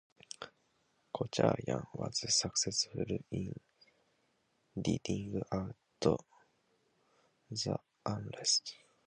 Kocharyan was successful in riding out the unrest.